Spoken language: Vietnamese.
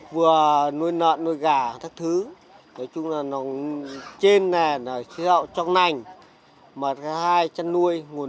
vừa nuôi nợn nuôi gà các thứ nói chung là nó trên này là trong nành mà hai chăn nuôi nguồn